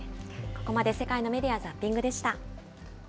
ここまで世界のメディア・ザッピングでした。